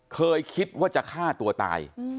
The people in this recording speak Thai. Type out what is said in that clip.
เคยคิดว่าจะฆ่าตัวตาย